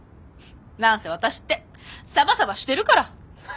何せワタシってサバサバしてるから！